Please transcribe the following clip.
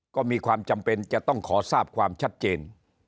ก็มีความจำเป็นจะต้องขอทราบความชัดเจน